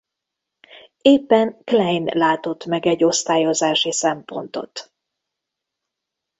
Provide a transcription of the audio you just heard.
Éppen Klein látott meg egy osztályozási szempontot.